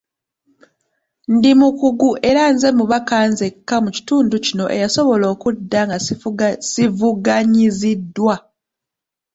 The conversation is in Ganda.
Ndi mukugu era nze mubaka nzekka mu kitundu kino eyasobola okudda nga sivuganyiziddwa.